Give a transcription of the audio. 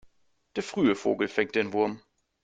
Der frühe Vogel fängt den Wurm.